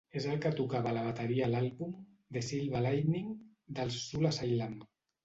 És el que tocava la bateria a l'àlbum "The Silver Lining" dels Soul Asylum.